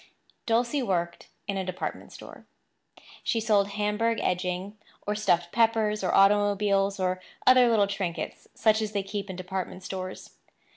Dulcie worked in a department store. She sold Hamburg edging, or stuffed peppers, or automobiles, or other little trinkets such as they keep in department stores.